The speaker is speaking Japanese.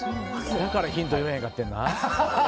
だからヒント言わへんかったんな。